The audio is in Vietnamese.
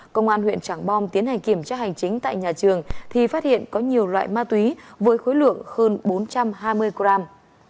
công an huyện tràng bom tiến hành kiểm tra hành chính tại nhà trường thì phát hiện có nhiều loại ma túy với khối lượng hơn bốn trăm hai mươi gram